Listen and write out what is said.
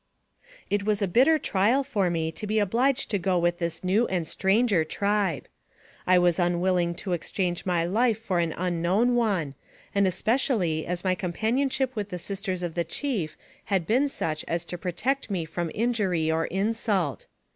It was a bitter trial for me to be obliged to go with this new and stranger tribe. I was unwilling to ex change my life for an unknown one, and especially as my companionship with the sisters of the chief had been such as to protect me from injury or insult.